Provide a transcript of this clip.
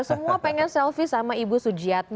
semua pengen selfie sama ibu sujiatmi